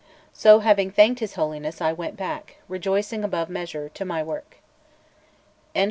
So, having thanked his Holiness, I went back, rejoicing above measure, to my work. Note 1.